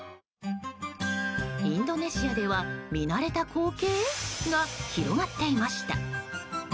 インドネシアでは見慣れた光景？が広がっていました。